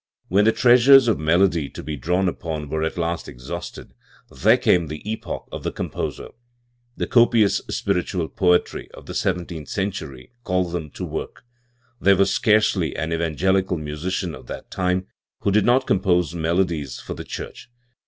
When the treasures of melody to be drawn upon were at last exhausted, there carne the epoch of the composer. The copious spiritual poetry of the seventeenth century called them to the work. There was scarcely an evangelical musician of that time who did not compose melodies for the church.